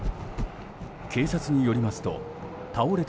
警察によりますと、倒れた